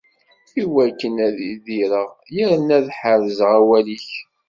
Iwakken ad idireɣ yerna ad ḥerzeɣ awal-ik.